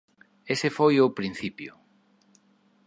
Ese foi o principio".